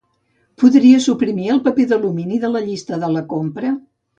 Podries suprimir el paper d'alumini de la llista de la compra?